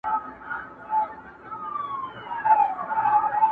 خدای که برابر کړي په اسمان کي ستوري زما و ستا,